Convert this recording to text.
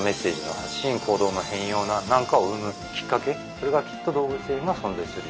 それがきっと動物園が存在する理由。